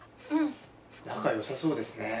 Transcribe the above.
仲よさそうですね。